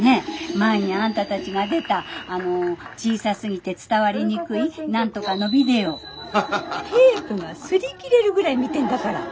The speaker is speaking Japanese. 前にあんたたちが出たあの小さすぎて伝わりにくい何とかのビデオテープが擦り切れるぐらい見てんだから。